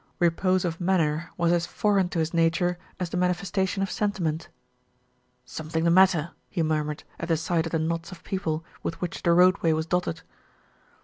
Repose of manner was as foreign to his nature as the manifestation of sentiment. "Something the matter," he murmured, at the sight of the krtots of people with which the roadway was dotted.